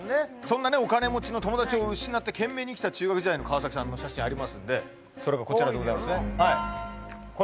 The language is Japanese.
そんなねお金持ちの友達を失って懸命に生きた中学時代の川崎さんのお写真ありますんでそれがこちらでございますねかわいいんだよな